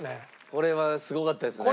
これはすごかったですね。